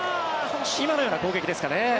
今のような攻撃ですかね。